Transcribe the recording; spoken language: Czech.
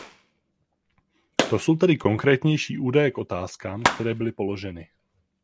To jsou tedy konkrétnější údaje k otázkám, které byly položeny.